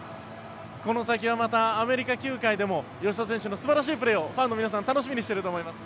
この先はまたアメリカ球界でも吉田選手の素晴らしいプレーをファンの皆さん楽しみにしていると思います。